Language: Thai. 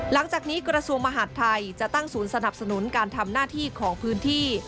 หลังจากนี้กระทรวงมหาดไทยจะตั้งศูนย์สนับสนุนการทำหน้าที่ของพื้นที่